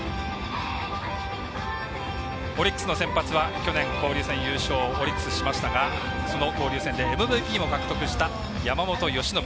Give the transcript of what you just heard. オリックスの先発は、去年交流戦優勝オリックスがしましたがその交流戦でＭＶＰを獲得した山本由伸。